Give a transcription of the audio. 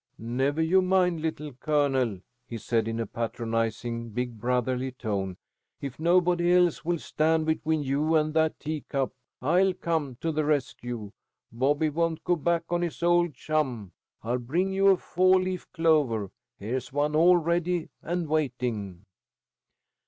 "Never you mind, Little Colonel," he said, in a patronizing, big brotherly tone. "If nobody else will stand between you and that teacup, I'll come to the rescue. Bobby won't go back on his old chum. I'll bring you a four leaf clover. Here's one, all ready and waiting."